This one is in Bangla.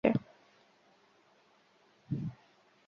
না, ভার্ন শুধু আমাদের নাম সুপারিশ করেছে।